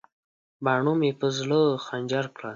باڼو مې په زړه خنجر کړل.